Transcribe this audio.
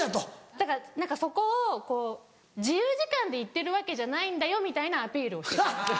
だからそこを自由時間で行ってるわけじゃないんだよみたいなアピールをして来る。